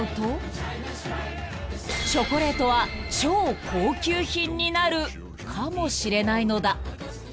［チョコレートは超高級品になるかもしれないのだ］